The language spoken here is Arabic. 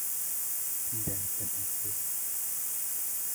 كُن جادًّا أرجوك.